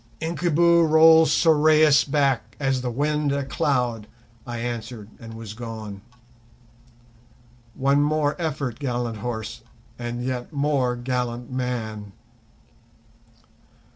"Incubu rolls Sorais back, as the wind a cloud," I answered, and was gone. One more effort, gallant horse, and yet more gallant man!